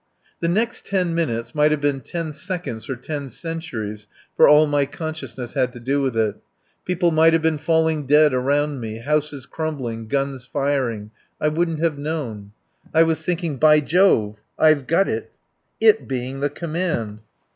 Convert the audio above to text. The next ten minutes might have been ten seconds or ten centuries for all my consciousness had to do with it. People might have been falling dead around me, houses crumbling, guns firing, I wouldn't have known. I was thinking: "By Jove! I have got it." It being the command.